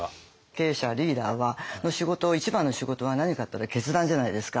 経営者リーダーの仕事一番の仕事は何かっていったら決断じゃないですか。